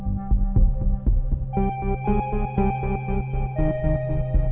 marah marah gitu pasti